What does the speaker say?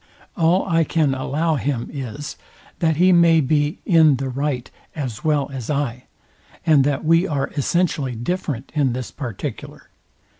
All I can allow him is, that he may be in the right as well as I, and that we are essentially different in this particular.